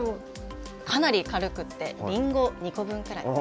かなり軽くって、りんご２個分ぐらい。